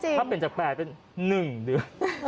ถ้าเปลี่ยนจาก๘เป็น๑เดือน